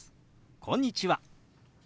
「こんにちは」。